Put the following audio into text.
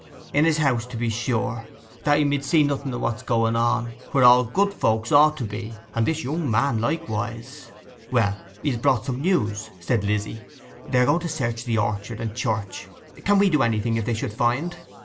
'In his house, to be sure, that he mid see nothing of what's going on—where all good folks ought to be, and this young man likewise.' 'Well, he has brought some news,' said Lizzy. 'They are going to search the orchet and church; can we do anything if they should find?